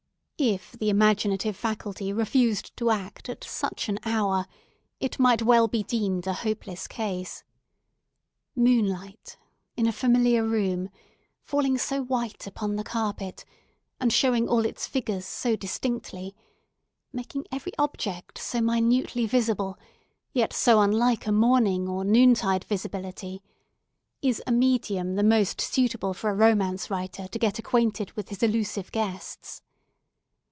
If the imaginative faculty refused to act at such an hour, it might well be deemed a hopeless case. Moonlight, in a familiar room, falling so white upon the carpet, and showing all its figures so distinctly—making every object so minutely visible, yet so unlike a morning or noontide visibility—is a medium the most suitable for a romance writer to get acquainted with his illusive guests.